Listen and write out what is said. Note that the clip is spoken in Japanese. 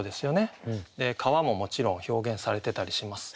川ももちろん表現されてたりします。